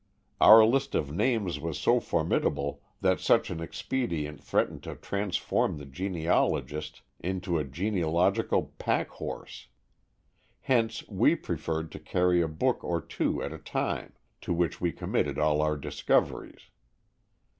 Our list of names was so formidable that such an expedient threatened to transform the genealogist into a genealogical packhorse. Hence we preferred to carry a book or two at a time, to which we committed all our discoveries.